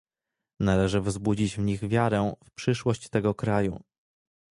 Należy wzbudzić w nich wiarę w przyszłość tego kraju